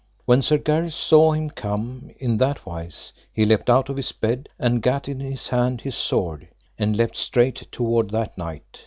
When Sir Gareth saw him come in that wise, he leapt out of his bed, and gat in his hand his sword, and leapt straight toward that knight.